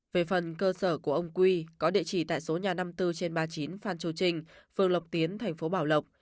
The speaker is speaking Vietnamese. về phần cơ sở của ông quy có địa chỉ tại số nhà năm mươi bốn trên ba mươi chín phan châu trinh phường lộc tiến thành phố bảo lộc